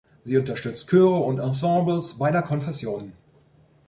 Sie unterstützt Chöre und Ensembles beider Konfessionen.